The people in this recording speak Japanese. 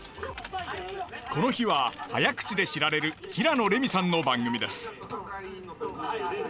この日は早口で知られる平野レミさんの番組です。